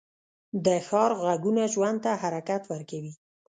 د ښار غږونه ژوند ته حرکت ورکوي